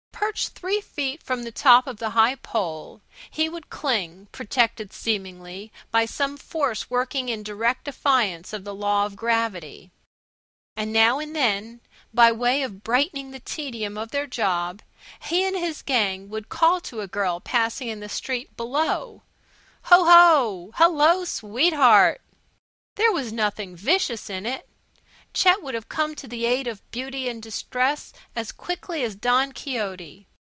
Perched three feet from the top of the high pole he would cling, protected, seemingly, by some force working in direct defiance of the law of gravity. And now and then, by way of brightening the tedium of their job he and his gang would call to a girl passing in the street below, "Hoo Hoo! Hello, sweetheart!" There was nothing vicious in it, Chet would have come to the aid of beauty in distress as quickly as Don Quixote.